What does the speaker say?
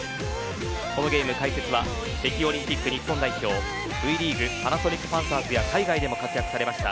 このゲームの解説は北京オリンピック日本代表Ｖリーグパナソニックパンサーズや海外でも活躍されました